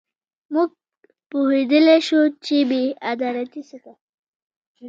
موږ پوهېدلای شو چې بې عدالتي څه ده.